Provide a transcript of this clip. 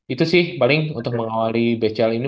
itu sih paling untuk mengawali becal ini